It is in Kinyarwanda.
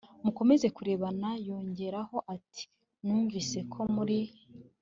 mukomeza kurebana Yongeraho ati numvise ko muri